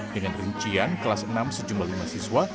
dengan rincian kelas enam sejumlah lima siswa